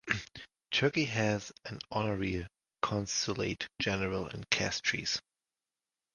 Turkey has an Honorary Consulate General in Castries.